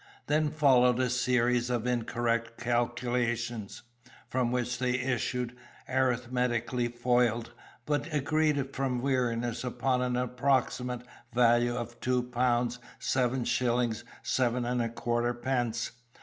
Then followed a series of incorrect calculations; from which they issued, arithmetically foiled, but agreed from weariness upon an approximate value of 2 pounds, 7 shillings 7 1/4 pence.